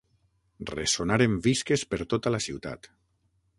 Ressonaren visques per tota la ciutat.